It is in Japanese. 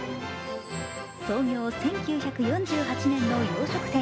創業１９４８年の洋食店